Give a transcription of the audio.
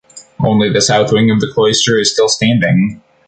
Only the south wing of the cloister is still standing.